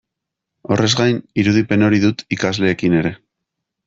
Horrez gain, irudipen hori dut ikasleekin ere.